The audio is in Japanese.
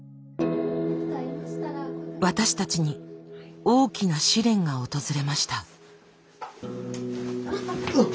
私たちに大きな試練が訪れました。